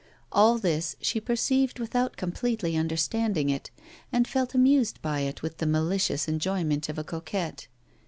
All this she perceived without completely understanding it, and felt amused by it with the malicious enjoyment of a coquette.